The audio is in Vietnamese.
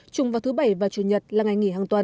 chung vào thứ bảy và chủ nhật là ngày nghỉ hàng tuần